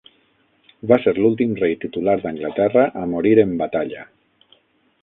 Va ser l'últim rei titular d'Anglaterra a morir en batalla.